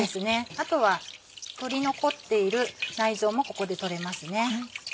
あとは取り残っている内臓もここで取れますね。